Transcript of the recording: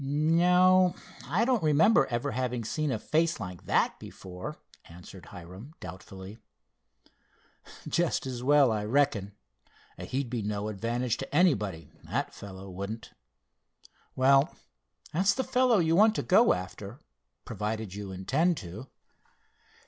"No, I don't remember ever having seen a face like that before," answered Hiram, doubtfully. "Just as well, I reckon. He'd be no advantage to anybody, that fellow wouldn't. Well, that's the fellow you want to go after, provided you intend to."